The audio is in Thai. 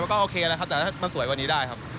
มันก็ถามว่าโอเคมันก็โอเคแล้วครับแต่มันสวยกว่านี้ได้ครับ